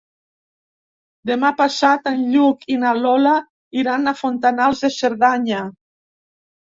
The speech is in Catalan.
Demà passat en Lluc i na Lola iran a Fontanals de Cerdanya.